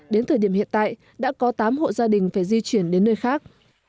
đến thời điểm hiện tại đã có tám hộ gia đình phải di chuyển đến nơi khác